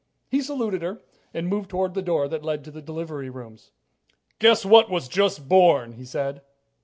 He saluted her and moved toward the door that led to the delivery rooms. "Guess what was just born," he said.